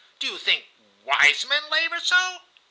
Do you think wise men labor so?"